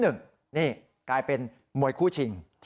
นี่กลายเป็นมวยคู่ชิง